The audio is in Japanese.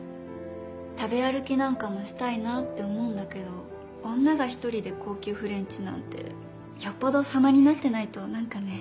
食べ歩きなんかもしたいなって思うんだけど女が１人で高級フレンチなんてよっぽど様になってないと何かね。